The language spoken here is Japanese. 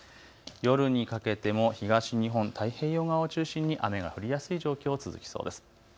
夜にかけても東日本、太平洋側を中心に雨が降りやすい状況続きそうです。